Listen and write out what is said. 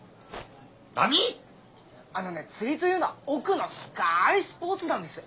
あのね釣りというのは奥のふかいスポーツなんですよ。